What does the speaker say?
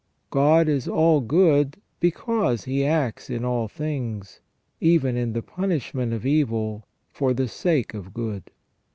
God is all good because He acts in all things, even in the punishment of evil, for the sake of good.